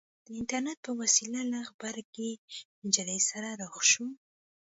د اينټرنېټ په وسيله له غبرګې نجلۍ سره رخ شو.